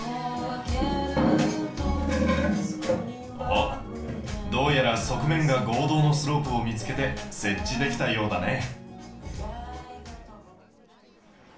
おっどうやら側面が合同のスロープを見つけて設置できたようだね。